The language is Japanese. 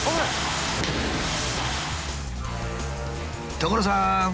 所さん！